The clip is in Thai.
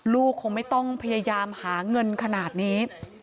คงไม่ต้องพยายามหาเงินขนาดนี้